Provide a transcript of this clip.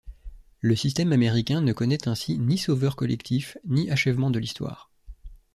Le système américain ne connaît ainsi ni sauveur collectif ni achèvement de l’histoire.